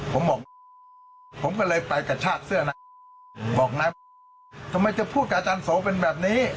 ผมบอกผมก็เลยไปกระชากเสื้อนะบอกนะว่าทำไมจะพูดกับอาจารย์โสเป็นแบบนี้